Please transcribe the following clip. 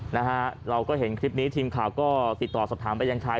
นะฮะเราก็เห็นคลิปนี้ทีมข่าวก็ติดต่อสอบถามไปยังชาย